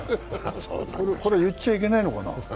これ、言っちゃいけないのかな？